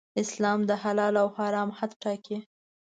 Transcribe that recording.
اسلام د حلال او حرام حد ټاکي.